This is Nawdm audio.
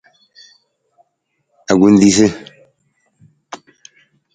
Akutelasa.